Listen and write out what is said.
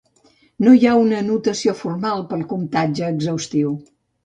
No hi ha una notació formal pel comptatge exhaustiu.